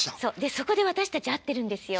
そこで私たち会ってるんですよ。